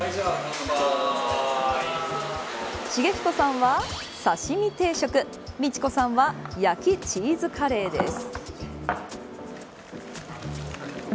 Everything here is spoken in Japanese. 重彦さんは刺身定食道子さんは焼きチーズカレーです。